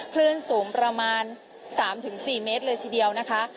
คลื่นสูงประมาณ๓๔เมตรเลยทีเดียวนะคะ